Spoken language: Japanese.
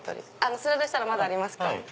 スライドしたらまだありますか？